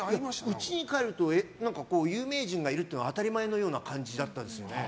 うちに帰ると有名人がいるというのが当たり前のような感じだったです。